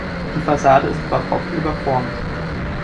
Die Fassade ist barock überformt.